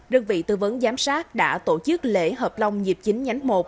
đơn vị tư vấn giám sát đã tổ chức lễ hợp long dịp chín nhánh một